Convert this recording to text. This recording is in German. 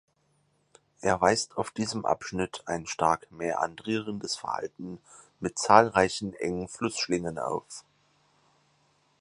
Er weist auf diesem Abschnitt ein stark mäandrierendes Verhalten mit zahlreichen engen Flussschlingen auf.